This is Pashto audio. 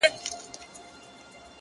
د سلگيو ږغ يې ماته را رسيږي،